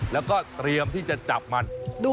แล้วก็เตรียมที่จะจับมัน